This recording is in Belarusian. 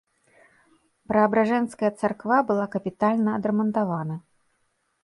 Праабражэнская царква была капітальна адрамантавана.